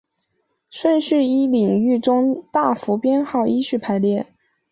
顺序依领域及中大服编号依序排列。